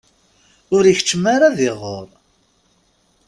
Ur ikeččem ara ad iɣer.